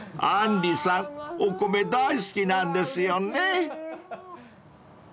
［あんりさんお米大好きなんですよね］